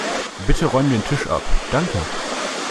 Bitte räume den Tisch ab, danke.